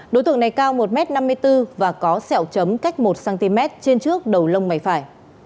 đối tượng này cao một m năm mươi bốn và có sẹo chấm cách một cm trên trước đầu lông mày phải